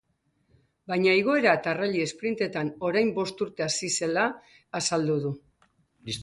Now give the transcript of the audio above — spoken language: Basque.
Baina igoera eta rally sprint-etan orain bost urte hasi zela azaldu du.